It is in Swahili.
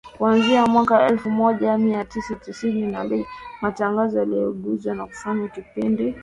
Kuanzia mwaka wa elfu moja mia tisa sitini na mbili, matangazo yaligeuzwa na kufanywa kipindi kilichotangazwa moja kwa moja.